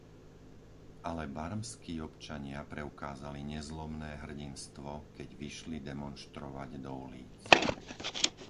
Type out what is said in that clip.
Ale barmskí občania preukázali nezlomné hrdinstvo, keď vyšli demonštrovať do ulíc.